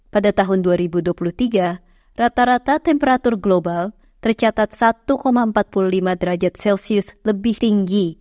pada tahun dua ribu dua puluh tiga rata rata temperatur global tercatat satu empat puluh lima derajat celcius lebih tinggi